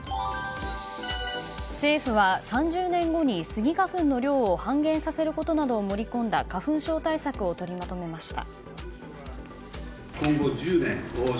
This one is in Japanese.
政府は３０年後にスギ花粉の量を半減させることなどを盛り込んだ花粉症対策を取りまとめました。